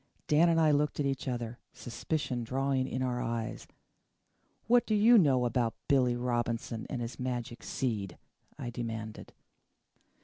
Dan and I looked at each other, suspicion dawning in our eyes. "What do you know about Billy Robinson and his magic seed?" I demanded.